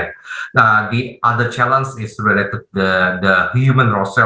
ada masalah lain yang berkaitan dengan perusahaan manusia